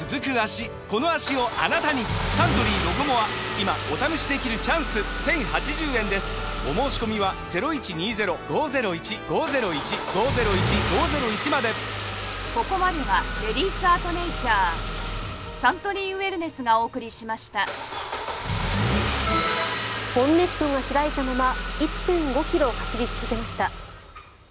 今お試しできるチャンス１，０８０円ですお申込みはボンネットが開いたまま１．５ｋｍ走り続けました。